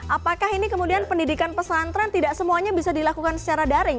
apakah ini kemudian pendidikan pesantren tidak semuanya bisa dilakukan secara daring